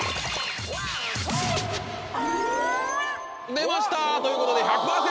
出ました！ということで１００％